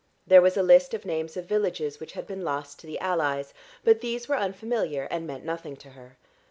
There was a list of names of villages which had been lost to the allies, but these were unfamiliar and meant nothing to her.